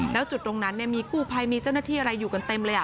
แล้วจุดตรงนั้นมีกู้ภัยมีเจ้าหน้าที่อะไรอยู่กันเต็มเลย